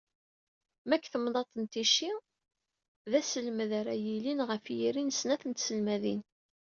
Ma deg temnaḍt n Ticci, d aselmed ara yilin ɣef yiri n snat n tselmadin.